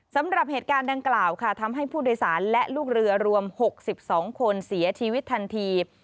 สำหรับเหตุการณ์ดังกล่าวค่ะทำให้ผู้โดยสารและลูกเรือรวม๖๒คนเสียชีวิตทันที